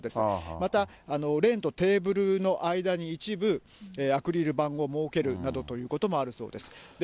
また、レーンとテーブルの間に一部アクリル板を設けるなどということもあるそうです。